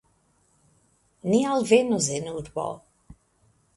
Ni alvenus en urbo.